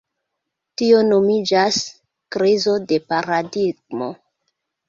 Tio nomiĝas "krizo de paradigmo".